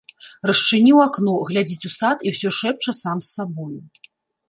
Расчыніў акно, глядзіць у сад і ўсё шэпча сам з сабою.